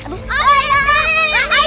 ya yang paling terbaik